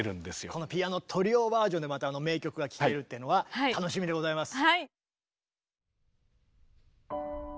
このピアノトリオバージョンでまたあの名曲が聴けるっていうのは楽しみでございます。